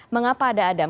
mengapa ada adam